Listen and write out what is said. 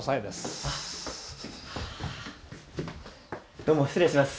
どうも失礼します。